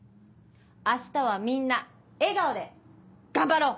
明日はみんな笑顔で頑張ろう！